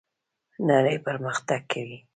نړۍ پرمختګ کوي